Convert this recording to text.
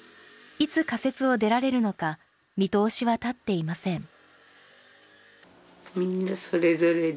いつ仮設を出られるのか、見通しは立っていません。